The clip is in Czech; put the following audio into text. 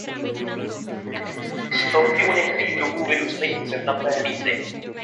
Stonky u některých druhů vyrůstají z dřevnaté hlízy.